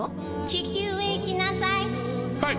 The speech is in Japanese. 「地球へ行きなさい」